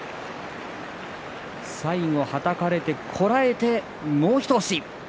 最後、はたかれてこらえてもうひと押し。